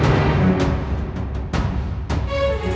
aku sudah berpikir